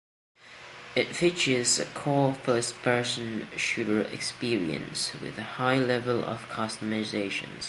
It features a core first person shooter experience, with a high level of customization.